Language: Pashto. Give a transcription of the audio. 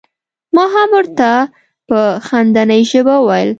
ما هم ور ته په خندنۍ ژبه وویل.